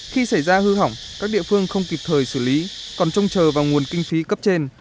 khi xảy ra hư hỏng các địa phương không kịp thời xử lý còn trông chờ vào nguồn kinh phí cấp trên